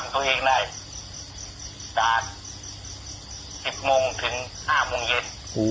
นอนอยู่ในแปปี้อีกได้จากสิบโมงถึงห้าโมงเย็น